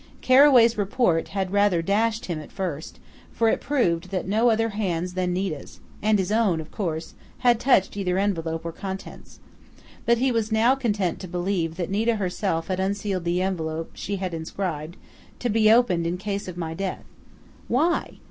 Carraway's report had rather dashed him at first, for it proved that no other hands than Nita's and his own, of course had touched either envelope or contents. But he was content now to believe that Nita herself had unsealed the envelope she had inscribed, "To Be Opened in Case of My Death".... Why?...